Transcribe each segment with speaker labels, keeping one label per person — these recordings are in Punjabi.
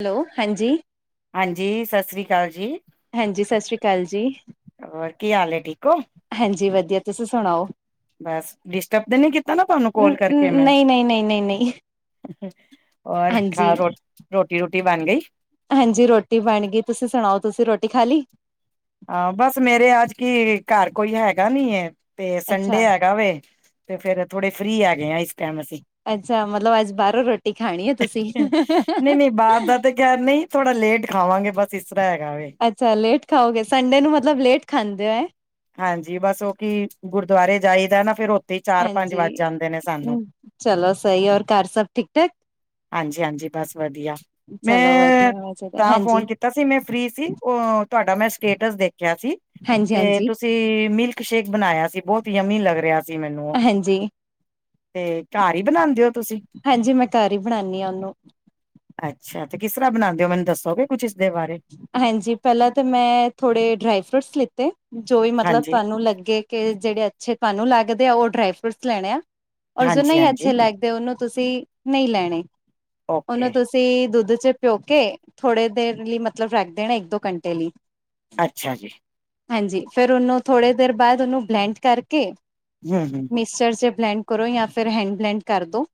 Speaker 1: ਹੈਲੋ, ਹਾਂਜੀ।
Speaker 2: ਹਾਂਜੀ ਸਤਿ ਸ੍ਰੀ ਅਕਾਲ ਜੀ,
Speaker 1: ਹਾਂਜੀ ਸਤਿ ਸ੍ਰੀ ਅਕਾਲ ਜੀ
Speaker 2: ਹੋਰ ਕੀ ਹਾਲ ਏ ਠੀਕ ਹੋ?
Speaker 1: ਹਾਂਜੀ ਵਧੀਆ, ਤੁਸੀਂ ਸੁਣਾਓ।
Speaker 2: ਬਸ, ਡਿਸਟਰਬ ਤੇ ਨੀ ਕੀਤਾ ਨਾ ਤੁਹਾਨੂੰ ਕੋਲ ਕਰਕੇ?
Speaker 1: ਨਈ, ਨਈ, ਨਈ, ਨਈ, ਨਈ।
Speaker 2: ਹੋਰ ਖਾ, ਰੋਟੀ ਰੁਟੀ ਬਨ ਗੀ?
Speaker 1: ਹਾਂਜੀ ਰੋਟੀ ਬਣ ਗੀ, ਤੁਸੀਂ ਸੁਣਾਓ ਤੁਸੀਂ ਰੋਟੀ ਖਾ ਲੀ?
Speaker 2: ਆ ਬਸ ਮੇਰੇ ਅੱਜ ਕੀ ਘਰ ਕੋਈ ਹੈਗਾ ਨੀ ਏ ਤੇ
Speaker 1: ਅੱਛਾ
Speaker 2: ਸੰਡੇ ਹੈਗਾ ਵੇ। ਤੇ ਫੇਰ ਥੋੜੇ ਫਰੀ ਹੈਗੇ ਆਂ ਇਸ ਟਾਈਮ ਅਸੀਂ।
Speaker 1: ਅੱਛਾ ਮਤਲਬ ਅੱਜ ਬਾਰੋਂ ਰੋਟੀ ਖਾਣੀ ਏ ਤੁਸੀਂ।
Speaker 2: ਨਹੀਂ [unintelligible] ਥੋੜਾ ਲੇਟ ਖਾਵਾਂਗੇ ਬਸ ਇਸ ਤਰ੍ਹਾਂ ਹੈਗਾ ਵੇ।
Speaker 1: ਅੱਛਾ ਲੇਟ ਖਾਓਗੇ, ਸੰਡੇ ਨੂੰ ਮਤਲਬ ਲੇਟ ਖਾਂਦੇ ਹੋ, ਹੈਂ।
Speaker 2: ਹਾਂਜੀ ਬਸ ਓ ਕੀ ਗੁਰਦੁਆਰੇ ਜਾਈਦਾ ਨਾ ਫੇਰ ਓ
Speaker 1: ਹਾਂਜੀ ਹੂੰ, ਚਲੋ ਸਈ ਔਰ ਘਰ ਸਭ ਠੀਕ ਠਾਕ?
Speaker 2: ਹਾਂਜੀ-ਹਾਂਜੀ, ਬਸ ਵਧੀਆ।
Speaker 1: ਚਲੋ
Speaker 2: ਮੈਂ
Speaker 1: ਵਧੀਆ ਵਧੀਆ
Speaker 2: ਤਾਂ
Speaker 1: ਹਾਂਜੀ
Speaker 2: ਫੋਨ ਕੀਤਾ ਸੀ, ਮੈਂ ਫਰੀ ਸੀ ਓ ਤੁਹਾਡਾ ਮੈਂ ਸਟੇਟਸ ਦੇਖਆ ਸੀ।
Speaker 1: ਹਾਂਜੀ-ਹਾਂਜੀ।
Speaker 2: ਸੀ ਮਿਲਕ ਸ਼ੇਕ ਬਣਾਇਆ ਸੀ ਬਹੁਤ ਯਮੀ ਲੱਗ ਰਿਹਾ ਸੀ ਮੈਨੂੰ
Speaker 1: ਹਾਂਜੀ,
Speaker 2: ਤੇ ਘਰ ਹੀ ਬਣਾਉਂਦੇ ਹੋ ਤੁਸੀਂ
Speaker 1: ਹਾਂਜੀ ਮੈਂ ਘਾਰੀ ਬਣਾਨੀਂ ਆਂ ਉਹਨੂੰ
Speaker 2: ਅੱਛਾ ਤੇ ਕਿਸ ਤਰ੍ਹਾਂ ਬਣਾਂਦੇ ਔ ਮੈਨੂੰ ਦੱਸੋਗੇ ਕੁਛ ਇਸਦੇ ਬਾਰੇ।
Speaker 1: ਹਾਂਜੀ ਪਹਿਲਾਂ ਤਾਂ ਮੈਂ ਥੋੜੇ ਡਰਾਈ ਫਰੂਟਸ ਲਿੱਤੇ, ਜੋ ਵੀ ਮਤਲਬ
Speaker 2: ਹਾਂਜੀ
Speaker 1: ਤੁਹਾਨੂੰ ਲੱਗੇ ਕੇ ਜਿਹੜੇ ਅੱਛੇ ਤੁਹਾਨੂੰ ਲੱਗਦੇ ਆ ਉਹ ਡਰਾਈ ਫਰੂਟਸ ਲੈਣੇ ਆ, ਔਰ ਜੋ ਨਈਂ
Speaker 2: ਹਾਂਜੀ-ਹਾਂਜੀ
Speaker 1: ਅੱਛੇ ਲੱਗ ਤੇ ਉਹਨੂੰ ਤੁਸੀਂ ਨਈਂ ਲੈਣੇ, ਉਹਨੂੰ
Speaker 2: ਓਕੇ
Speaker 1: ਤੁਸੀਂ ਅਸੀਂ ਦੁੱਧ ਚ ਪਿਉ ਕੇ ਥੋੜੇ ਦੇਰ ਲਈ ਮਤਲਬ ਰੱਖ ਦੇਣਾ ਇੱਕ ਦੋ ਘੰਟੇ ਲਈ।
Speaker 2: ਅੱਛਾ ਜੀ।
Speaker 1: ਹਾਂਜੀ ਫਿਰ ਉਹਨੂੰ ਥੋੜੇ ਦੇਰ ਬਾਅਦ ਉਹਨੂੰ ਬਲੈਂਡ ਕਰਕੇ
Speaker 2: ਹਂ, ਹਂ
Speaker 1: ਮਿਕਚਰ ਚ ਬਲੈਂਡ ਕਰੋ ਜਾਂ ਫਿਰ ਹੈਂਡ ਬਲੈਂਡ ਕਰ ਦੋ,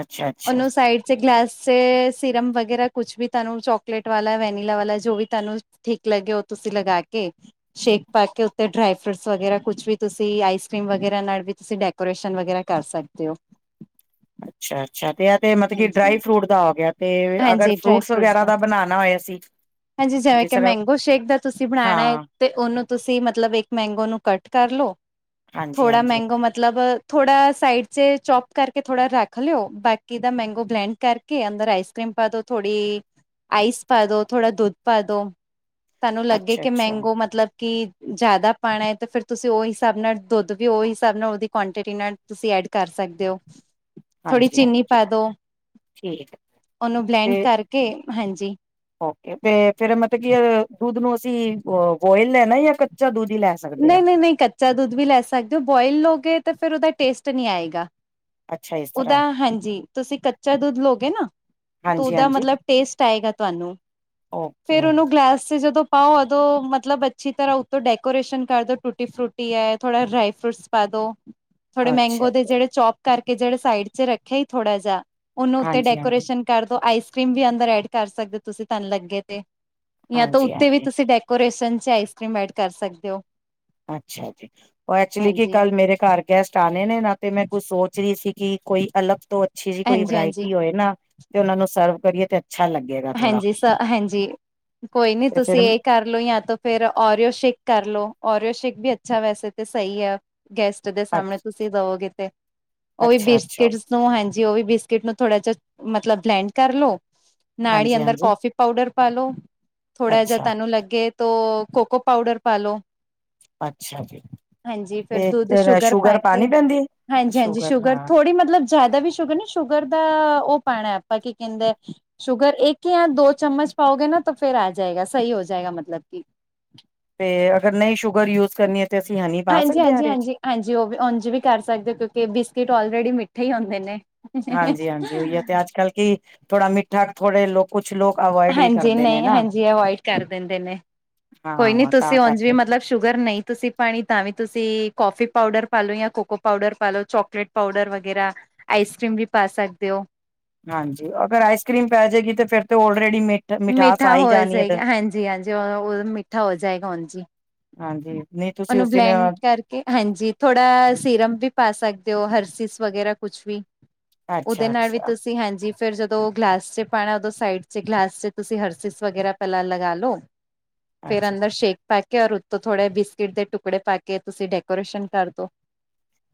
Speaker 2: ਅੱਛਾ-ਅੱਛਾ
Speaker 1: ਉਹਨੂੰ ਸਾਈਡ ਗਲਾਸ ਚ ਸਿਰਮ ਵਗੈਰਾ ਕੁਛ ਵੀ ਤੁਹਾਨੂੰ ਚੋਕਲੇਟ ਵਾਲਾ ਵੈਨਿ ਵਾਲਾ ਜੋ ਵੀ ਤੁਹਾਨੂੰ ਠੀਕ ਲੱਗੇ ਉਹ ਤੁਸੀਂ ਲਗਾ ਕੇ ਸ਼ੇਕ ਪਾ ਕੇ ਉੱਤੇ ਡਰਾਈ ਫਰੂਟਸ ਵਗੈਰਾ ਕੁਛ ਵੀ ਤੁਸੀਂ ਆਈਸ ਕਰ੍ਰੀਮ ਵਗੈਰਾ ਨਾਲ ਵੀ ਤੁਸੀਂ ਡੇ ਕੋਰੇਸ਼ਨ ਵਗੈਰਾ ਕਰ ਸਕਦੇ ਔ।
Speaker 2: ਅੱਛਾ-ਅੱਛਾ ਤੇ ਇਹ ਤੇ ਮਤਲ ਕਿ ਡਰਾਈ
Speaker 1: ਹਾਂਜੀ।
Speaker 2: ਫਰੂਟ ਦਾ ਹੋ ਗਿਆ ਤੇ ਅਗਰ ਫਰੂਟਸ ਵਗੈਰਾ ਦਾ ਬਣਾਉਣਾ ਹੋਏ ਅਸੀਂ।
Speaker 1: ਹਾਂਜੀ, ਜਿਵੇਂ
Speaker 2: ਜਿਸ
Speaker 1: ਕਿ
Speaker 2: ਤਰ੍ਹਾਂ
Speaker 1: ਮੈਂਗੋ ਸ਼ੇਕ ਦਾ ਤੁਸੀਂ ਬਣਾਣਾ ਐਂ।
Speaker 2: ਹਾਂ
Speaker 1: ਤੇ ਉਹਨੂੰ ਤੁਸੀਂ ਮਤਲਬ ਇੱਕ ਮੈਂਗੋ ਨੂੰ ਕੱਟ ਕਰ ਲੋ, ਥੋੜ੍ਹਾ
Speaker 2: ਹਾਂਜੀ-ਹਾਂਜੀ
Speaker 1: ਮੈਂਗੋ ਮਤਲਬ ਥੋੜਾ ਸਾਈਡ ਚ ਚੋਪ ਕਰਕੇ ਥੋੜਾ ਰੱਖ ਲਿਓ ਬਾਕ ਕੀ ਦਾ ਮੈਂਗੋ ਬਲੈਂਡ ਕਰਕੇ ਅੰਦਰ ਆਈਸ ਕਰ੍ਰੀਮ ਪਾ ਦੋ ਥੋੜ੍ਹੀ ਆਈਸ ਪਾ ਦੋ, ਥੋੜਾ ਦੁੱਧ ਪਾ ਦੋ, ਤੁਹਾਨੂੰ ਲੱਗੇ ਕਿ
Speaker 2: ਅੱਛਾ-ਅੱਛਾ
Speaker 1: ਮੈਂਗੋ ਮਤਲਬ ਕਿ ਜ਼ਿਆਦਾ ਪਾਣਾ ਐ ਤਾਂ ਫਿਰ ਤੁਸੀਂ ਉਹੀ ਹਿਸਾਬ ਨਾਲ ਦੁੱਧ ਵੀ ਉਹੀ ਹਿਸਾਬ ਨਾਲ ਉਹਦੀ ਕੁਆਂਟਿਟੀ ਨਾਲ ਤੁਸੀਂ ਐਡ ਕਰ ਸਕਦੇ ਔ।
Speaker 2: ਹਾਂਜੀ, ਹਾਂਜੀ।
Speaker 1: ਪੈ ਦੋ। ਉਹਨੂੰ ਬਲੈਂਡ
Speaker 2: ਤੇ
Speaker 1: ਕਰਕੇ ਹਾਂਜੀ
Speaker 2: ਓਕੇ ਤੇ ਫਿਰ ਮਤਲਬ ਕੀ ਅ ਦੁਧ ਨੂੰ ਅਸੀਂ ਅ ਬੋਇਲ ਲੈਣਾ ਜਾਂ ਕੱਚਾ ਦੁੱਧ ਹੀ ਲੈ ਸਕਦੇ ਹਾਂ।
Speaker 1: ਨਈਂ ਨਈਂ ਨਈਂ, ਕੱਚਾ ਦੁੱਧ ਵੀ ਲੈ ਸਕਦੇ ਔ, ਬੋਇਲ ਲੋਗੇ ਤਾਂ ਫਿਰ ਉਹਦਾ ਟੇਸਟ ਨੀਂ ਆਏਗਾ।
Speaker 2: ਅੱਛਾ ਇਸ
Speaker 1: ਉਹਦਾ
Speaker 2: ਤਰ੍ਹਾਂ
Speaker 1: ਹਾਂਜੀ, ਤੁਸੀਂ ਕੱਚਾ ਦੁੱਧ ਲਗੇ ਨਾਂ ਤ
Speaker 2: ਹਾਂਜੀ
Speaker 1: ਉਹਦਾ
Speaker 2: ਹਾਂਜੀ
Speaker 1: ਮਤਲਬ ਟੇਸਟ ਆਏਗਾ ਤੁਹਾਨੂੰ, ਫੇਰ
Speaker 2: ਓਕੇ
Speaker 1: ਉਹਨੂੰ ਗਲਾਸ ਚ ਜਦੋਂ ਪਾਓ ਉਦੋਂ ਮਤਲਬ ਅੱਛੀ ਤਰ੍ਹਾਂ ਉੱਪਰ ਡੈਕੋਰੇਸ਼ਨ ਕਰਦੋ ਟੁੱਟੀ ਫਰੂਟੀ ਐ ਥੋੜਾ ਡਰਾਈ ਫਰੂਟਸ ਪਾ ਦੋ। ਥੋੜੇ
Speaker 2: ਅੱਛਾ
Speaker 1: ਮੈਂਗੋ ਦੇ
Speaker 2: ਅੱਛਾ
Speaker 1: ਜਿਹੜੇ ਚੌਪ ਕਰਕੇ ਜਿਹੜੇ ਸਾਈਡ ਚ ਰੱਖਿਆ ਹੀ ਥੋੜਾ ਜਿਆ ਉਹਨੂੰ ਉੱਤੇ
Speaker 2: ਹਾਂਜੀ ਹਾਂਜੀ
Speaker 1: ਡੈਕੋਰੇਸ਼ਨ ਕਰਦੋ ਆਈਸ ਕਰ੍ਰੀਮ ਵੀ ਅੰਦਰ ਐਡ ਕਰ ਸਕਦੇ ਤੁਸੀਂ ਤੈਨੂੰ ਲੱਗੇ ਤੇ ਜਾਂ ਤਾਂ
Speaker 2: ਹਾਂਜੀ
Speaker 1: ਉੱਤੇ ਵੀ
Speaker 2: ਹਾਂਜੀ
Speaker 1: ਤੁਸੀਂ ਡੇਕ ਕੋਰੇਸਨ ਚ ਆਈਸ ਕਰ੍ਰੀਮ ਐਡ ਕਰ ਸਕਦੇ ਔ।
Speaker 2: ਅੱਛਾ ਜੀ, ਉਹ ਐਕਚੁਲੀ ਕੀ
Speaker 1: ਹਾਂਜੀ
Speaker 2: ਕੱਲ ਮੇਰੇ ਘਰ ਗੈਸਟ ਆਣੇ ਨੇਂ ਨਾ ਤੇ ਮੈਂ ਕੁਝ ਸੋਚ ਰਹੀ ਸੀ ਕਿ ਕੋਈ ਅਲਗ ਤੋਂ ਅੱਛੀ ਜਿਹੀ ਕੋਈ
Speaker 1: ਹਾਂਜੀ ਹਾਂਜੀ
Speaker 2: ਵਰਾਇਟੀ ਹੋਏ ਨਾਂ ਤੇ ਉਹਨਾਂ ਨੂੰ ਸਰਵ ਕਰੀਏ ਤੇ ਅੱਛਾ ਲੱਗੇਗਾ। ਥੋੜਾ
Speaker 1: ਹਾਂਜੀ ਸ ਹਾਂਜੀ ਕੋਈ ਨੀਂ
Speaker 2: ਤੇ
Speaker 1: ਤੁਸੀਂ
Speaker 2: ਫਿਰ
Speaker 1: ਇਹ ਕਰ ਲ ਲੋ ਯਾ ਤਾਂ ਫਿਰ ਓਰੀਓ ਸ਼ੇਕ ਕਰ ਲੋ ਓਰੀਓ ਸ਼ੇਕ ਵੀ ਅੱਛਾ ਵੈਸੇ ਤਾਂ ਸਹੀ ਐ। ਗੈਸਟ ਦੇ ਸਾਹਮਣੇ
Speaker 2: ਅੱਛ
Speaker 1: ਤੁਸੀਂ ਦਵੋਗੇ ਤੇ ਉਹ ਵੀ
Speaker 2: ਅੱਛਾ ਅੱਛਾ
Speaker 1: ਬਿਸਕਿਟ ਹਾਂਜੀ ਉਹ ਵੀ ਬਿਸਕਿਟ ਨੂੰ ਥੋੜਾ ਜਿਹਾ ਮਤਲਬ ਬਲੈਂਡ ਕਰ ਲੋੋ ਨਾੜੀ
Speaker 2: ਹਾਂਜੀ
Speaker 1: ਅੰਦਰ
Speaker 2: ਹਾਂਜੀ
Speaker 1: ਕੌਫੀ ਪਾਊਡਰ ਪਾਲੋ, ਥੋੜਾ ਜਿਆ
Speaker 2: ਅੱਛਾ
Speaker 1: ਤਾਨੂੰ ਲਗੇ ਤੋ ਕੋਕੋ ਪਾਊਡਰ ਪਾਲੋ।
Speaker 2: ਅੱਛਾ ਜੀ।
Speaker 1: ਹਾਂਜੀ ਫਿਰ ਦੁੱਧ
Speaker 2: ਤੇ
Speaker 1: ਸ਼ੂਗਰ ਪਾ ਕੇ
Speaker 2: ਪਾਣੀ ਪੈਂਦੀ ਹੈ?
Speaker 1: ਹਾਂਜੀ, ਹਾਂਜੀ ਸ਼ੂਗਰ ਥੋੜ੍ਹੀ ਮਤਲਬ ਜ਼ਿਆਦਾ ਵੀ ਸ਼ੂਗਰ ਨੀਂ ਸ਼ੂਗਰ ਦਾ ਉਹ ਪਾਣਾ ਆਪਾਂ ਕੀ ਕਹਿੰਦੇ। ਸ਼ੂਗਰ ਏਕ ਯਾ ਦੋ ਚਮਚ ਪਾਓਗੇ ਨਾ ਤਾਂ ਫੇਰ ਆ ਜਾਏਗਾ, ਸਈ ਹੋ ਜਾਏਗਾ ਮਤਲਬ ਕਿ
Speaker 2: ਤੇ ਅਗਰ ਨਹੀਂ ਸ਼ੂਗਰ ਯੂਜ ਕਰਨੀ ਏ ਤੇ ਅਸੀਂ ਹਨੀ ਪਾ ਸਕਦੇ ਹਾਂ ਇਹਦੇ ਚ
Speaker 1: ਹਾਂਜੀ-ਹਾਂਜੀ-ਹਾਂਜੀ, ਹਾਂਜੀ ਉਹ ਵ ਉਝ ਵੀ ਕਰ ਸਕਦੇ ਹੋ, ਕਉਂਕੇ ਬਿਸਕਿਟ ਔਲਰੇਡੀ ਮਿੱਠੇ ਹੀ ਹੁੰਦੇ ਨੇ।
Speaker 2: ਹਾਂਜੀ-ਹਾਂਜੀ ਓਹੀਓ ਤੇ, ਅੱਜ ਕੱਲ੍ਹ ਕੀ, ਥੋੜਾ ਮਿੱਠਾ ਥੋੜੇ ਲੋਕ ਕੁਛ ਲੋਕ ਅਵੋਇਡ ਵੀ
Speaker 1: ਹਾਂਜੀ
Speaker 2: ਕਰਦੇ ਨੇ
Speaker 1: ਨਈ
Speaker 2: ਨਾ
Speaker 1: ਹਾਂਜੀ ਅਵੋਇਡ ਕਰ ਦਿੰਦੇ ਨੇ। ਕੋਈ ਨੀ
Speaker 2: ਹਾਂ
Speaker 1: ਤੁਸੀਂ
Speaker 2: ਤਾਂ
Speaker 1: ਉਂਝ ਵੀ
Speaker 2: ਕਰਕੇ
Speaker 1: ਮਤਲਬ ਸ਼ੂਗਰ ਨਈ ਤੁਸੀਂ ਪਾਣੀ ਤਾਂ ਵੀ ਤੁਸੀਂ ਕੌਫੀ ਪਾਊਡਰ ਪਾ ਲਓ, ਯਾ ਕੋਕੋ ਪਾਊਡਰ ਪਾ ਲੋ ਚੋਕਲੇਟ ਪੋਡਰ ਵਗੈਰਾ, ਆਈਸ ਕਰ੍ਰੀਮ ਵੀ ਪਾ ਸਕਦੇ ਹੋ।
Speaker 2: ਹਾਂਜੀ, ਅਗਰ ਆਈਸ ਕਰ੍ਰੀਮ ਪੈ ਜੇਗੀ ਤੇ ਫਿਰ ਤੇ ਔਲਰੇਡੀ ਮੇ
Speaker 1: ਮਿੱਠਾ ਹੋਏ ਸਈ, ਹਾਂਜੀ-ਹਾਂਜੀ ਓ ਓਹਦੇ ਨਾਲ ਮਿੱਠਾ ਹੋ ਜਾਏਗਾ, ਹਾਂਜੀ।
Speaker 2: ਹਾਂਜੀ ਨਹੀਂ ਤੁਸੀਂ
Speaker 1: ਉਹਨੂੰ
Speaker 2: ਉਸ ਦਿਨ
Speaker 1: ਬਲੈਂਡ ਕਰ ਕੇ ਹਾਂਜੀ ਥੋੜਾ ਸੀਰਮ ਵੀ ਪਾ ਸਕਦੇ ਹੋ ਹਰਸੀਸ ਵਗੈਰਾ ਕੁਛ ਵੀ। ਓਹਦੇ
Speaker 2: ਅੱਛਾ
Speaker 1: ਨਾਲ ਵੀ
Speaker 2: ਅੱਛਾ
Speaker 1: ਤੁਸੀਂ ਹਾਂਜੀ, ਫਿਰ ਜਦੋਂ ਗਲਾਸ ਚ ਪਾਣਾ ਉਦੋਂ ਸਾਈਡ ਚ ਗਲਾਸ ਚ ਤੁਸੀਂ ਹਰਸਿਸ ਵਗੈਰਾ ਪੈਲਾਂ ਲਗਾ ਲੋ, ਫੇਰ
Speaker 2: ਅੱਛਾ
Speaker 1: ਅੰਦਰ ਸ਼ੇਕ ਪਾਕੇ ਔਰ ਉਤੋਂ ਥੋੜ੍ਹੇ ਬਿਸਕਿਟ ਦੇ ਟੁਕੜੇ ਪਾ ਕੇ ਤੁਸੀਂ ਡੈਕੋਰੇਸ਼ਨ ਕਰਦੋ।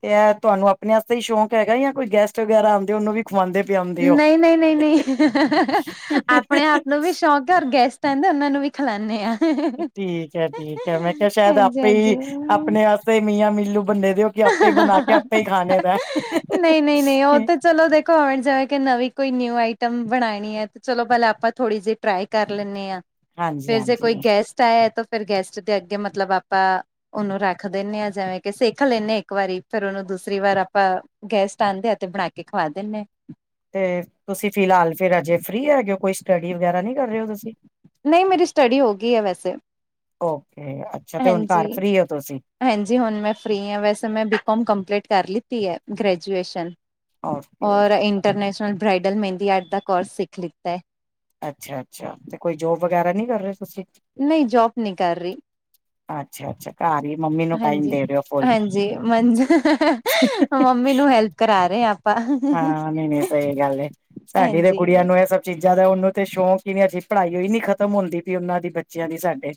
Speaker 2: ਤੇ ਏਹ ਤੁਆਨੂੰ ਆਪਣੇ ਆਸਤੇ ਈ ਸ਼ੌਂਕ ਹੈਗਾ ਯਾ ਕੋਈ ਗੈਸਟ ਵਗੈਰਾ ਉਹਨੂੰ ਵੀ ਖਵਾਉਂਦੇ ਪਿਆਉਂਦੇ ਹੋ
Speaker 1: ਨਈ-ਨਈ-ਨਈ-ਨਈ ਆਪਣੇ ਆਪ ਨੂੰ ਵੀ ਸ਼ੌਕ ਘਰ ਗੈਸਟ ਆਂਦਾ ਏ ਉਹਨਾਂ ਨੂੰ ਵੀ ਖਿਲਾਨੇ ਆ।
Speaker 2: ਠੀਕ ਹੈ ਠੀਕ ਹੈ, ਮੈਂ ਕੇਆ ਸ਼ੈਦ ਆਪੇ ਈ
Speaker 1: ਹਾਂਜੀ-ਹਾਂਜੀ।
Speaker 2: ਆਪਣੇ ਅਸ ਆਪੇ ਈ ਮੀਆਂ ਮਿਲੂ ਬੰਨੇ ਦੇਓ ਕੇ ਆਪੇ ਈ ਬਣਾ ਕੇ ਆਪੇ ਈ ਖਾਣੇ ਦਾ
Speaker 1: ਨਹੀਂ, ਨਹੀਂ, ਨਹੀਂ ਉਹ
Speaker 2: ਐ।
Speaker 1: ਤੇ ਚਲੋ ਦੇਖੋ ਆਉਣ ਜਾਵੇ ਕਿ ਨਵੀਂ ਕੋਈ ਨਿਊ ਆਈਟਮ ਬਣਾਣੀ ਹੈ, ਤੇ ਚਲੋ ਪਹੇਲਾਂ ਆਪਾਂ ਥੋੜ੍ਹੀ ਜਿਹੀ ਟਰਾਈ ਕਰ ਲੈਣੇ ਆ।
Speaker 2: ਹਾਂਜੀ
Speaker 1: ਫਿਰ ਜੇ
Speaker 2: ਹਾਂਜੀ
Speaker 1: ਕੋਈ ਗੈਸ ਚਾਯਏ ਤੋਂ ਫੇਰ ਗੈਸਟ ਦੇ ਅੱਗੇ ਮਤਲਬ ਆਪਾਂ ਉਹਨੂੰ ਰਾਖ ਦੇਣੇ ਆ, ਜੇਵੇਂ ਕਿ ਸੇਖ ਖਲੇ ਏਨੇ ਇੱਕ ਵਾਰੀ ਫੇਰ ਉਹਨੂੰ ਦੂਸਰੀ ਵਾਰ ਆਪਾਂ, ਗੈਸਟ ਆਂਦੇ ਐ, ਤੇ ਬਣਾ ਕੇ ਖਵਾ ਦੇਣੇ।
Speaker 2: ਤੇ ਤੁਸੀਂ ਫਿਲਹਾਲ ਫਿਰ ਅਜੇ ਫ੍ਰਰੀ ਹੈਗੇ ਓ? ਕੋਈ ਸਟੱਡੀ ਵਗੈਰਾ ਨਈ ਕਰ ਰਏ ਹੋ ਤੁਸੀਂ?
Speaker 1: ਨਈ ਮੇਰੀ ਸਟੱਡੀ ਹੋ ਗਈ ਏ ਵੈਸੇ,
Speaker 2: ਓਕੇ ਅੱਛਾ ਤੇ ਹੁਣ ਘਰ
Speaker 1: ਹਾਂਜੀ।
Speaker 2: ਫ੍ਰਰੀ ਹੋ ਤੁਸੀਂ
Speaker 1: ਹਾਂਜੀ ਹੁਣ ਮੈਂ ਫਰੀ ਆਂ, ਵੈਸੇ ਮੈਂ ਬੀ ਕੌਮ ਕੰਪਲੀਟ ਕਰ ਲਿੱਤੀ ਐ, ਗ੍ਰੈਜੂਏਸ਼ਨ।
Speaker 2: ਓਕੇ
Speaker 1: ਔਰ ਇੰਟਰਨੈਸ਼ਨਲ ਬ੍ਰਾਈਡਲ ਮੈਂਦੀ ਆਰਟ ਦਾ ਕੋਰਸ ਸਿੱਖ ਲਿੱਤਾ ਐ।
Speaker 2: ਅੱਛਾ-ਅੱਛਾ ਤੇ ਕੋਈ ਜੋਬ ਵਗੈਰਾ ਨਹੀਂ ਕਰ ਰਏ ਤੁਸੀਂ?
Speaker 1: ਨਈ ਜੋਬ ਨਈ ਕਰ ਰਈ।
Speaker 2: ਅੱਛਾ-ਅੱਛਾ ਘਾਰ ਈ ਮੰਮੀ ਨੂੰ ਟਾਈਮ
Speaker 1: ਹਾਂਜੀ
Speaker 2: ਦੇ ਰਓ ਫੁੱਲ? [inaudible]
Speaker 1: ਹਾਂਜੀ ਮੈਨੂੰ ਹੈਲਪ ਕਰਾ ਰੇਆ।
Speaker 2: ਹਾਂ ਨਈ-ਨਈ ਸਹੀ ਗੱਲ ਏ, ਸਾਡੀ ਤੇ
Speaker 1: ਹਾਂਜੀ
Speaker 2: ਗੁੜੀਆਂ ਨੂੰ ਏਹ ਸਭ ਚੀਜ਼ਾਂ ਦਾ ਉਹਨੂੰ ਤੇ ਸ਼ੌਂਕ ਈ ਨਈ ਐ, ਆਜੇ ਪੜ੍ਹਾਈਓ ਈ ਨੀ ਖਤਮ ਹੁੰਦੀ ਪਈ ਉਹਨਾਂ ਦੀ ਬੱਚੇਆਂ ਦੀ ਸਾਡੇ।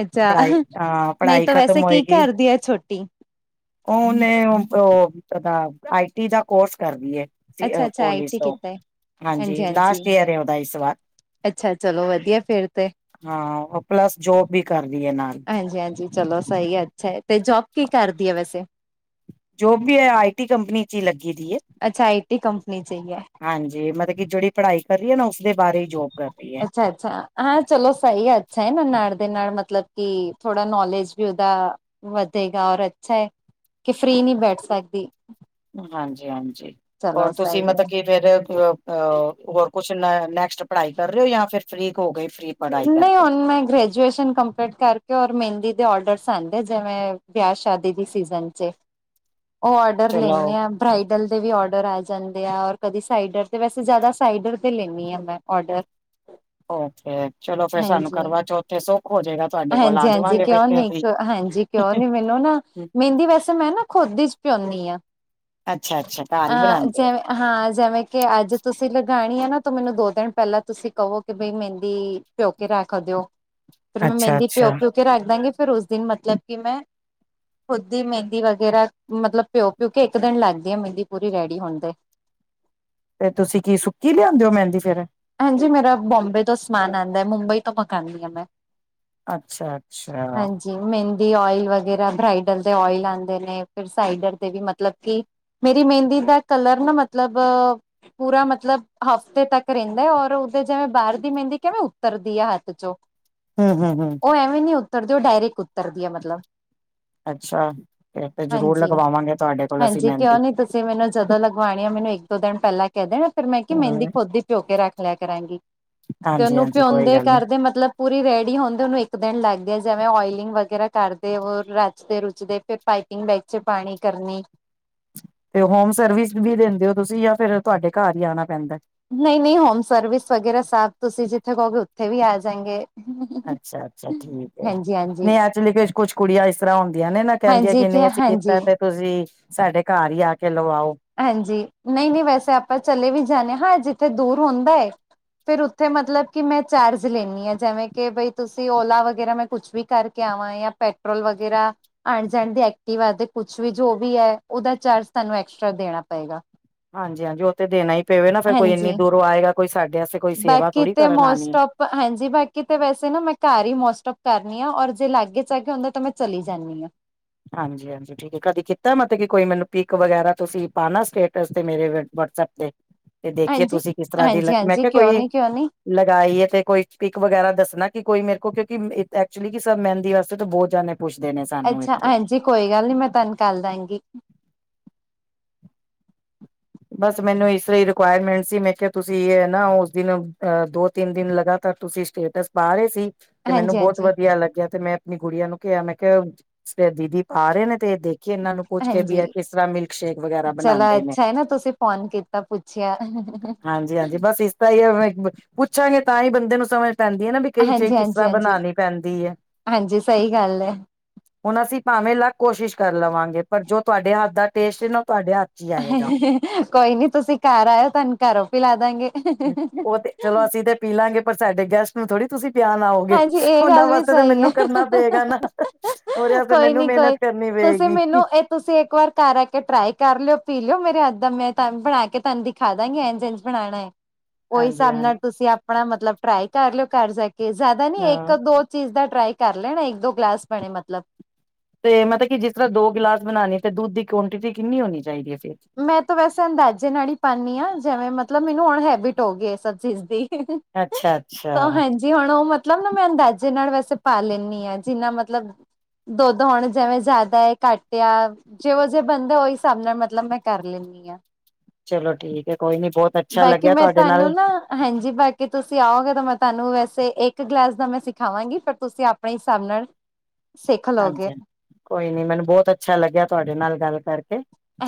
Speaker 1: ਅੱਛਾ
Speaker 2: ਪੜ੍ਹਾਈ ਹਾਂ
Speaker 1: ਨਹੀਂ
Speaker 2: ਪੜ੍ਹਾਈ
Speaker 1: ਤਾਂ ਵੈਸੇ
Speaker 2: ਖਤਮ
Speaker 1: ਕੀ
Speaker 2: ਹੋਏਗੀ।
Speaker 1: ਕਰਦੀ ਹੈ ਛੋਟੀ
Speaker 2: ਉਹਨੇ ਉਹ ਓ ਉਦਾਂ ਆਈ ਟੀ ਦਾ ਕੋਰਸ ਕਰਦੀ ਐ। ਸੀ
Speaker 1: ਅੱਛਾ
Speaker 2: ਅ
Speaker 1: ਅੱਛਾ ਆਈ
Speaker 2: ਕੋਲੀਜ
Speaker 1: ਟੀ
Speaker 2: ਤੋ,
Speaker 1: ਕੀਤਾ ਹੈ
Speaker 2: ਹਾਂਜੀ ਲਾਸਟ ਈਅਰ ਐ ਉਹਦਾ ਇਸ ਵਾਰ।
Speaker 1: ਅੱਛਾ ਚਲੋ ਵਧੀਆ ਫੇਰ ਤੇ
Speaker 2: ਹਾਂ, ਉਹ ਪਲੱਸ ਜੋਬ ਵੀ ਕਰਦੀ ਐ ਨਾਲ।
Speaker 1: ਚਲੋਂ ਸਈ ਐ, ਅੱਛਾ ਐ, ਤੇ ਜੋਬ ਕੀ ਕਰਦੀ ਐ ਵੈਸੇ?
Speaker 2: ਜੋਬ ਵੀ ਏਹ ਆਈ ਟੀ ਕੰਪਨੀ ਚ ਈ ਲੱਗੀ ਦੀ ਐ,
Speaker 1: ਅੱਛਾ ਆਈ ਟੀ ਕੰਪਨੀ ਚਾਹੀਏ
Speaker 2: ਹਾਂਜੀ ਮਤਲ ਕੀ ਜੇਹੜੀ ਪੜ੍ਹਾਈ ਕਰ ਰਹੀ ਐ ਨਾ, ਉਸਦੇ ਬਾਰੇ ਈ ਜੋਬ ਕਰ ਰਈ
Speaker 1: ਅੱਛਾ-ਅੱਛਾ ਹਾਂ ਚਲੋਂ ਸਹੀ ਐ, ਅੱਛਾ ਐ, ਨਾ ਨਾਲ ਦੇ ਨਾਲ ਮਤਲਬ ਕਿ ਥੋੜਾ ਨੌਲੇਜ ਵੀ ਉਹਦਾ ਵਧੇਗਾ ਔਰ ਅੱਛਾ ਐ, ਕਿ ਫ੍ਰਰੀ ਨੀ ਬੈਠ ਸਕਦੀ।
Speaker 2: ਹਾਂਜੀ-ਹਾਂਜੀ,
Speaker 1: ਚਲੋ
Speaker 2: ਔਰ ਤੁਸੀਂ
Speaker 1: ਸਹੀ
Speaker 2: ਮਤ
Speaker 1: ਹੈ
Speaker 2: ਕੀ ਫਿਰ ਆਹ ਆ ਹੋਰ ਕੁਛ ਨੈ ਨੈਕਸਟ ਪੜ੍ਹਾਈ ਕਰ ਰਹੇ ਹੋ ਜਾਂ ਫਿਰ ਫ੍ਰਰੀਕ ਹੋ ਗਏ ਫ੍ਰਰੀ ਪੜ੍ਹਾਈ
Speaker 1: ਨਹੀਂ
Speaker 2: ਕਰਕੇ
Speaker 1: ਹੁਣ ਮੈਂ ਗ੍ਰ ਜੂਏਸ਼ਨ ਕਮਪਲੀਟ ਕਰਕੇ, ਔਰ ਮਹਿੰਦੀ ਦੇ ਔਡਰਸ ਆਦੇ, ਜਿਵੇ ਵਿਆਹ ਸ਼ਾਦੀ ਦੀ ਸੀਜਨ ਚ। ਉਹ ਔਡਰ ਲੈਂਨੇ
Speaker 2: ਚਲੋ
Speaker 1: ਆ। ਬਰਾਈਡਲ ਦੇ ਵੀ ਔਡਰ ਆ ਜਾਂਦੇ ਆ, ਔਰ ਕਦੀ ਸਾਈਡਰ ਦੇ ਵੈਸੇ ਜ਼ਿਆਦਾ ਸਾਈਡਰ 'ਦੇ ਲੈਂਦੀ ਆ ਮੈਂ ਔਡਰ।
Speaker 2: ਓਕੇ। ਚਲੋਂ ਫੇਰ ਸਾਨੂੰ
Speaker 1: ਹਾਂਜੀ
Speaker 2: ਕਰਵਾ ਚੌਥੇ ਸੁੱਖ ਹੋ ਜਾਏਗਾ, ਤੁਹਾਡੇ ਕੋਲ
Speaker 1: ਹਾਂਜੀ
Speaker 2: ਆ
Speaker 1: ਹਾਂਜੀ
Speaker 2: ਜਾਵਾਂਗੇ ਫਿਰ
Speaker 1: ਕਿਉਂ
Speaker 2: ਤੇ
Speaker 1: ਨੀ
Speaker 2: ਅਸੀਂ।
Speaker 1: ਹਾਂਜੀ ਕਿਉਂ ਨੀ ਮੈਨੂੰ ਨਾ ਮਹਿੰਦੀ ਵੈਸੇ ਮੈਂ ਨਾ ਖੁਦ ਚ ਭਿਉਂਨੀ ਆ,
Speaker 2: ਅੱਛਾ-ਅੱਛਾ ਘਰ ਹੀ
Speaker 1: ਅਹ
Speaker 2: ਬਣਾਉਂਦੇ ਹੋ।
Speaker 1: ਜਿਵੇਂ ਹਾਂ ਜਿਵੇਂ ਕਿ ਅੱਜ ਤੁਸੀਂ ਲਗਾਣੀ ਆ ਨਾ, ਤੇ ਮੈਨੂੰ ਦੋ ਦਿਨ ਪਹਿਲਾਂ ਤੁਸੀਂ ਕਹੋ ਕਿ ਬਈ ਮਹਿ ਦੀ ਭਿਓ ਕੇ ਰੱਖ ਦਿਓ, ਫਿਰ ਮੈਂ ਮਹਿੰਦੀ
Speaker 2: ਅੱਛਾ-ਅੱਛਾ
Speaker 1: ਭਿਓ ਕੇ ਉ ਕੇ ਰੱਖ ਦਾਂਗੀ, ਫ਼ਿਰ ਉਸ ਦਿਨ ਮਤਲਬ ਕਿ ਮੈਂ ਖੁਦ ਦੀ ਮਹਿੰਦੀ ਵਗੈਰਾ ਮਤਲਬ ਭਿਉ ਭਿਉ ਕੇ, ਇੱਕ ਦਿਨ ਲੱਗਦੀ ਆ ਮਹਿੰਦੀ ਪੂਰੀ ਰੈਡੀ ਹੋਣ ਦੇ।
Speaker 2: ਤੇ ਤੁਸੀਂ ਕੀ ਸੁੱਕੀ ਲਿਆਂਦੇ ਹੋ ਮਹਿੰਦੀ ਫੇਰ?
Speaker 1: ਹਾਂਜੀ, ਮੇਰਾ ਬੋਬੇ ਤੋਂ ਸਮਾਨ ਆਉਂਦਾ, ਮੁੰਬਈ ਤੋਂ ਮੰਗਾਉਂਨੀ ਆ ਮੈਂ।
Speaker 2: ਅੱਛਾ ਅੱਛਾ
Speaker 1: ਹਾਂਜੀ ਮਹਿੰਦੀ ਓਇਲ ਵਗੈਰਾ ਬ੍ਰਾਈਡਲ ਦੇ ਓਇਲ ਆਉਂਦੇ ਨੇ, ਫਿਰ ਸਾਈਡਰ ਤੇ ਵੀ ਮਤਲਬ ਕਿ ਮੇਰੀ ਮਹਿੰਦੀ ਦਾ ਕਲਰ ਨਾ, ਮਤਲਬ ਪੂਰਾ ਮਤਲਬ ਹਫ਼ਤੇ ਤੱਕ ਰਹਿੰਦਾ, ਔਰ ਉਦੇ ਜਿਵੇਂ ਬਾਹਰ ਦੀ ਮਹਿੰਦੀ ਕਿਵੇਂ ਉੱਤਰਦੀ ਐ ਹੱਥ ਚੋਂ।
Speaker 2: ਹੂੰ ਹੂੰ ਹੂੰ
Speaker 1: ਉਹ ਐਵੇਂ ਨੀ ਉੱਤਰਦੀ, ਉਹ ਡਾਇਰੈਕਟ ਉਤਰਦੀ ਐ ਮਤਲਬ।
Speaker 2: ਅੱਛਾ, ਫਰ ਤੇ ਜ਼ਰੂਰ ਲਗਵਾਵਾਂਗੇ ਤੁਹਾਡੇ ਕੋਲ ਅਸੀਂ ਮਹਿੰਦੀ।
Speaker 1: ਜੇ ਮੈਨੂੰ ਜਦੋਂ ਲਗਵਾਣੀ ਆ, ਮੈਨੂੰ ਇੱਕ ਦੋ ਦਿਨ ਪਹਿਲਾਂ ਕਹਿ ਦੇਣਾ, ਫਿਰ ਮੈਂ ਕਿਹਾ
Speaker 2: ਹਾਂ
Speaker 1: ਮਹਿੰਦੀ ਖੁਦ ਭਿਓ ਕੇ ਰੱਖ ਲਿਆ ਕਰਾਂਗੀ, ਤੇ ਉਹਨੂੰ
Speaker 2: ਹਾਂਜੀ-ਹਾਂਜੀ ਕੋਈ
Speaker 1: ਭਿਉਂਦੇ
Speaker 2: ਗੱਲ ਨੀ
Speaker 1: ਕਰਦੇ ਮਤਲਬ ਪੂਰੀ ਰੈਡੀ ਹਣਦੇ ਉਹਨੂੰ ਇੱਕ ਦਿਨ ਲੱਗ ਗਿਆ, ਜਿਵੇਂ ਓਇਲਿੰਗ ਵਗੈਰਾ ਕਰਦੇ ਉਹ ਰਚਦੇ ਰੁਚਦੇ ਫਿਰ ਪਾਈਪਿੰਗ ਬੈਗ ਚ ਪਾਣੀ ਕਰਨੀ।
Speaker 2: ਤੇ ਹੋਮ ਸਰਵਿਸ ਵੀ ਦਿੰਦੇ ਹੋ, ਤੁਸੀਂ ਜਾਂ ਫਿਰ ਤੁਹਾਡੇ ਘਰ ਹੀ ਆਉਣਾ ਪੈਂਦਾ।
Speaker 1: ਨਹੀਂ ਨਹੀਂ ਹੋਮ ਸਰਵਿਸ ਵਗੈਰਾ ਸਾਫ਼, ਤੁਸੀਂ ਜਿੱਥੇ ਕਹੋਗੇ ਉੱਥੇ ਵੀ ਆ ਜਾਏਗੇ।
Speaker 2: ਅੱਛਾ ਅੱਛਾ, ਠੀਕ ਐ।
Speaker 1: ਹਾਂਜੀ ਹਾਂਜੀ
Speaker 2: ਨਹੀਂ ਐਕਚੁਲੀ ਕੁਛ ਕੁੜੀਆਂ ਇਸ ਤਰ੍ਹਾਂ ਹੁੰਦੀਆਂ ਨੇ ਨਾ, ਕਹਿੰਦੀਆਂ
Speaker 1: ਹਾਂਜੀ
Speaker 2: ਕਿ ਨਹੀਂ ਅਸੀਂ ਕੀਤਾ
Speaker 1: ਹਾਂਜੀ
Speaker 2: ਤੇ ਤੂਸੀ ਸਾਡੇ ਘਰ ਹੀ ਆ ਕੇ ਲਵਾਓ।
Speaker 1: ਹਾਂਜੀ, ਨਹੀਂ ਨਹੀਂ ਵੈਸੇ ਆਪਾਂ ਚਲੇ ਵੀ ਜਾਂ ਨੇ ਆ, ਜਿੱਥੇ ਦੂਰ ਹੁੰਦਾ ਐ ਫਿਰ ਉੱਥੇ ਮਤਲਬ ਕਿ ਮੈਂ ਚਾਰਜ ਲੈਦੀ ਆ, ਜਿਵੇਂ ਕਿ ਬਈ ਤੁਸੀਂ ਓਲਾ ਵਗੈਰਾ ਮੈਂ ਕੁਛ ਵੀ ਕਰ ਕਿਆਾ ਪੈਟਰੋਲ ਵਗੈਰਾ ਆਣ ਜਾਣ ਦੀ ਐਕਟੀਵਾ ਕੁਛ ਵੀ ਜੋ ਵੀ ਐ, ਉਹਦਾ ਚਾਰਜ ਸਾਨੂੰ ਐਕਸਟਰਾ ਦੇਣਾ ਪਏਗਾ।
Speaker 2: ਹਾਂਜੀ ਹਾਂਜੀ, ਉਹ ਤੇ ਦੇਣਾ ਹੀ ਪਵੇ ਨਾ, ਫੇਰ ਕੋਈ ਇੰਨੀ
Speaker 1: ਹਾਂਜੀ
Speaker 2: ਦੂਰੋਂ ਆਏਗਾ ਕੋਈ ਸਾਡੇ ਆਸਤੇ ਕੋਈ ਸੇਵਾ
Speaker 1: ਬਾਕੀ
Speaker 2: ਥੋੜੀ
Speaker 1: ਤੇ
Speaker 2: ਕਰਨ ਆਉਣੀ
Speaker 1: ਮੋਸਟ
Speaker 2: ਐ।
Speaker 1: ਆਫ ਹਾਂਜੀ, ਬਾਕੀ ਤਾਂ ਵੈਸੇ ਨਾ ਮੈਂ ਘਰ ਹੀ ਮੋਸਟ ਆਫ ਕਰਨੀ ਆ, ਔਰ ਜੇ ਲਾਗੇ ਚਾਗੇ ਹੁੰਦਾ ਤਾਂ ਮੈਂ ਚਲੀ ਜਾਂਦੀ ਆ।
Speaker 2: ਹਾਂਜੀ ਹਾਂਜੀ ਠੀਕ ਹੈ ਕਦੀ ਕਿ ਕੀਤਾ ਮਤਲਬ ਕੀ ਕੋਈ ਮੈਨੂੰ ਪਿਕ ਵਗੈਰਾ ਤੁਸੀਂ ਪਾਉਣਾ ਸਟੇਟਸ ਤੇ ਮੇਰੇ ਵਟਸਪ ਤੇ ਤੇ ਦੇਖੀਏ
Speaker 1: ਹਾਂਜੀ
Speaker 2: ਤੁਸੀਂ ਕਿਸ ਤਰ੍ਹਾਂ ਦੀ
Speaker 1: ਹਾਂਜੀ
Speaker 2: ਮੈਂ
Speaker 1: ਹਾਂਜੀ
Speaker 2: ਕਿਹਾ
Speaker 1: ਕਿਉਂ
Speaker 2: ਕੋਈ
Speaker 1: ਨੀ ਕਿਉਂ ਨੀ
Speaker 2: ਲਗਾਈ ਹੈ ਤੇ ਕੋਈ ਪਕ ਵਗੈਰਾ ਦੱਸਣਾ ਕਿ ਕੋਈ ਮੇਰੇ ਕੋਲ ਕਿਉਂਕਿ ਐਕਚੁਲੀ ਕਿ ਸਭ ਮਹਿੰਦੀ ਵਾਸਤੇ ਤਾਂ ਬਹੁਤ ਜਾਦੇ ਪੁੱਛਦੇ ਨੇ [unintelligible]
Speaker 1: ਅੱਛਾ ਹਾਂਜੀ ਕੋਈ ਗੱਲ ਨੀ ਮੈਂ ਤੁਹਾਨੂੰ ਕਰ ਦਵਾਂਗੀ
Speaker 2: ਬਸ ਮੈਨੂੰ ਇਸ ਤਰ੍ਹਾਂ ਰਿਕੁਇਰਮੈਂਟ ਸੀ ਮੈਂ ਕਿਹਾ ਤੁਸੀਂ ਇਹ ਨਾ ਉਸ ਦਿਨ ਦੋ ਤਿੰਨ ਦਿਨ ਲਗਾਤਾਰ ਤੁਸੀਂ ਸਟੇਟਸ ਪਾ ਰਹੇ ਸੀ ਤੇ ਮੈਨੂੰ
Speaker 1: ਹਾਂਜੀ
Speaker 2: ਬਹੁਤ
Speaker 1: ਹਾਂਜੀ
Speaker 2: ਵਧੀਆ ਲੱਗਿਆ ਤੇ ਮੈਂ ਆਪਣੀ ਗੁੜੀਆਂ ਨੂੰ ਕਿਹਾ ਮੈਂ ਕਿਹਾ ਦੀਦੀ ਪਾ ਰਹੇ ਨੇ ਤੇ ਦੇਖ ਇਹਨਾਂ ਨੂੰ ਪੁੱਛ ਕੇ ਵੀ ਯ
Speaker 1: ਹਾਂਜੀ
Speaker 2: ਕਿਸ ਤਰ੍ਹਾਂ ਮਿਲਕ ਸ਼ੇਕ ਵਗੈਰਾ ਬਣਾਉਦੇ ਨੇ
Speaker 1: ਇਹ ਨਾ ਤੁਸੀਂ ਫੋਨ ਕੀਤਾ ਪੁੱਛਿਆ
Speaker 2: ਹਾਂਜੀ ਹਾਂਜੀ ਬਸ ਇਸ ਤ ਹੀ ਹੈ ਪੁੱਛਾਂਗੇ ਤਾਂ ਹੀ ਬੰਦੇ ਨੂੰ ਸਮਝ ਪੈਂਦੀ ਹੈ ਨਾ ਵੀ ਕਈ ਚਹੀ
Speaker 1: ਹਾਂਜੀ
Speaker 2: ਕਿਸ
Speaker 1: ਹਾਂਜੀ
Speaker 2: ਤਰ੍ਹਾਂ
Speaker 1: ਹਾਂਜੀ
Speaker 2: ਬਣਾਉਣੀ ਪੈਂਦੀ ਹੈ
Speaker 1: ਹਾਂਜੀ ਸਹੀ ਗੱਲ ਹੈ
Speaker 2: ਹੁਣ ਅਸੀਂ ਭਾਵੇਂ ਅਲੱਗ ਕੋਸ਼ਿਸ਼ ਕਰ ਲਵਾਂਗੇ ਪਰ ਜੋ ਤੁਹਾਡੇ ਹੱਥ ਦਾ ਟੇਸਟ ਨਾ ਉਹ ਤੁਹਾਡੇ ਹੱਥ ਚ ਹੀ ਆਏਗਾ
Speaker 1: ਕੋਈ ਨੀ ਤੁਸੀਂ ਘਰ ਆਇਓ ਤੁਹਾਨੂੰ ਘਰੋਂ ਪੀਲਾ ਦਾਂਗੇ
Speaker 2: ਪੀਲਾਂਗੇ ਪਰ ਸਾਡੇ ਗੈਸਟ ਥੋੜ੍ਹੀ ਤੁਸੀਂ ਪਿਆਨ ਆਓਗੇ
Speaker 1: ਹਾਂਜੀ ਇਹ
Speaker 2: ਉਹਨਾਂ
Speaker 1: ਗੱਲ ਵੀ
Speaker 2: ਵਾਸਤੇ ਤਾਂ
Speaker 1: ਸਹੀ ਹੈ
Speaker 2: ਮੈਨੂੰ ਕਰਨਾ ਪਏਗਾ ਨਾ ਉਹਦੇ ਵਾਸਤੇ
Speaker 1: ਕੋਈ
Speaker 2: ਮੈਨੂੰ
Speaker 1: ਨੀ
Speaker 2: ਮਿਹਨਤ
Speaker 1: ਕੋਈ
Speaker 2: ਕਰਨੀ
Speaker 1: ਤੁਸੀਂ
Speaker 2: ਪਏਗੀ
Speaker 1: ਮੈਨੂੰ ਇਹ ਤੁਸੀਂ ਇੱਕ ਵਾਰ ਕਰ ਆ ਕੇ ਟਰਾਈ ਕਰ ਲਿਓ ਪੀ ਲਿਓ ਮੇਰੇ ਹੱਥ ਦਾ ਮੈਂ ਬਣਾ ਕੇ ਤੁਹਾਨੂੰ ਦੀਖਾ ਦਾਂਗੇ ਐਂਜ ਐਂਜ ਬਣਾਉਣਾ ਹੈ ਉਹਹੀ
Speaker 2: ਹਾਂਜੀ
Speaker 1: ਹਿਸਾਬ
Speaker 2: ਹਾਂਜੀ
Speaker 1: ਨਾਲ ਤੁਸੀਂ ਆਪਣਾ ਮਤਲਬ ਟਰਾਈ ਕਰ ਲਿਓ ਘਰ ਜਾ ਕੇ ਜ਼ਿਆਦਾ ਨੀ
Speaker 2: ਹਾਂ
Speaker 1: ਇੱਕ ਦੋ ਚੀਜ਼ ਦਾ ਟਰਾਈ ਕਰ ਲੈਣਾ ਇੱਕ ਦੋ ਗਲਾਸ ਬਣੇ ਮਤਲਬ
Speaker 2: ਤੇ ਮਤਲਬ ਕਿ ਜਿਸ ਤਰ੍ਹਾਂ ਦੋ ਗਿਲਾਸ ਬਣਾਉਣੀ ਤੇ ਦੁੱ ਦੀ ਕੁਆਂਟਿਟੀ ਕਿੰਨੀ ਹੋਣੀ ਚਾਹੀਦੀ ਹੈ ਫਿਰ
Speaker 1: ਮੈਂ ਤਾਂ ਵੈਸੇ ਅੰਦਾਜ਼ੇ ਨਾਲ ਹੀ ਪਾਨੀ ਹਾਂ ਜਿਵੇਂ ਮਤਲਬ ਮੈਨੂੰ ਹੁਣ ਹੈਬਿਟ ਹੋ ਗਈ ਸਭ ਚੀਜ਼ ਦੀ
Speaker 2: ਅੱਛਾ ਅੱਛਾ
Speaker 1: ਜੀ ਹੁਣ ਉਹ ਮਤਲਬ ਨਾ ਮੈਂ ਅੰਦਾਜ਼ੇ ਨਾਲ ਵੈਸੇ ਪਾ ਲੈਂਦੀ ਹਾਂ ਜਿੰਨਾ ਮਤਲਬ ਦੁੱਧ ਹੁਣ ਜਿਵੇਂ ਜ਼ਿਆਦਾ ਹੈ ਘਟ ਇਆ ਜਿਹੋ ਜਿਹੇ ਬੰਦੇ ਉਹਹੀ ਹਿਸਾਬ ਨਾਲ ਮਤਲਬ ਮੈਂ ਕਰ ਲੈਂਨਿ ਹਾਂ
Speaker 2: ਚਲੋ ਠੀਕ ਕੋਈ ਨੀ ਬਹੁਤ ਅੱਛਾ
Speaker 1: ਬਾਕੀ
Speaker 2: ਲੱਗਿਆ
Speaker 1: ਮੈਂ
Speaker 2: ਤੁਹਾਡੇ
Speaker 1: ਤੁਹਾਨੂੰ
Speaker 2: ਨਾਲ
Speaker 1: ਨਾ ਹਾਂਜੀ ਬਾਕੀ ਤੁਸੀਂ ਆਓਗੇ ਤਾਂ ਮੈਂ ਤੁਹਾਨੂੰ ਵੈਸੇ ਇੱਕ ਗਲਾਸ ਦਾ ਮੈਂ ਸਿਖਾਵਾਂਗੀ ਫਿਰ ਤੁਸੀਂ ਆਪਣੇ ਹਿਸਾਬ ਨਾਲ ਸਿੱਖ
Speaker 2: ਹਾਂਜੀ
Speaker 1: ਲਓਗੇ
Speaker 2: ਹਾਂ ਕੋਈ ਨੀ ਮੈਨੂੰ ਬਹੁਤ ਅੱਛਾ ਲੱਗਿਆ ਤੁਹਾਡੇ ਨਾਲ ਗੱਲ ਕਰਕੇ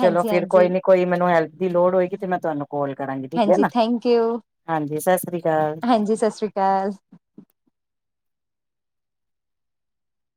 Speaker 2: ਚਲੋ ਫਿਰ ਕੋਈ
Speaker 1: ਹਾਂਜੀ
Speaker 2: ਨੀ ਕੋਈ ਮੈਨੂੰ ਹੈਲਪ ਦੀ ਲੋੜ ਹੋਏਗੀ ਤੇ ਮੈਂ ਤੁਹਾਨੂੰ ਕੋਲ ਕਰਾਂਗੀ ਠੀਕ ਹੈ
Speaker 1: ਹਾਂਜੀ
Speaker 2: ਨਾ
Speaker 1: ਥੈਂਕ ਯੂ
Speaker 2: ਹਾਂਜੀ ਸਤਿ ਸ੍ਰੀ ਅਕਾਲ
Speaker 1: ਹਾਂਜੀ ਸਤਿ ਸ਼੍ਰੀ ਕਾਲ